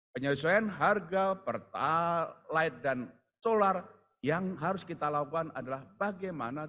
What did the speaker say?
penyesuaian harga pertalite dan solar yang harus kita lakukan adalah bagaimana